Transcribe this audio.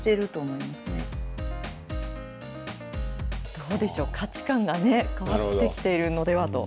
どうでしょう、価値観が変わってきているのではと。